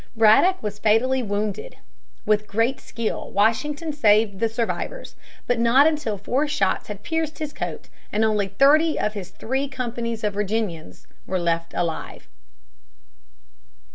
Braddock was fatally wounded. With great skill, Washington saved the survivors, but not until four shots had pierced his coat and only thirty of his three companies of Virginians were left alive.